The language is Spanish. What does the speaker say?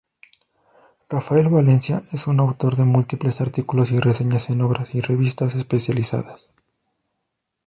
Rafael Valencia es autor de múltiples artículos y reseñas en obras y revistas especializadas.